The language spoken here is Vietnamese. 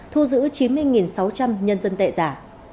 thu giữ chín mươi sáu trăm linh nhân dân tệ giả